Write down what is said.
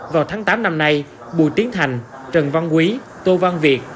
vào tháng tám năm nay bùi tiến thành trần văn quý tô văn việt